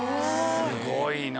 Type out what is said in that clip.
すごいな。